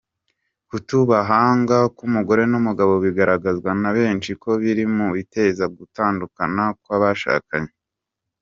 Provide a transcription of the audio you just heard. Kutubahanga k’umugore n’umugabo bigaragazwa na benshi ko biri mu biteza gutandukana kw’abashakanye